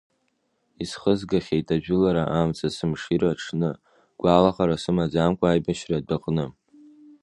Исхызгахьеит ажәылара амца, сымшира аҽны, гәалаҟара сымаӡамкәа аибашьра адәаҟны.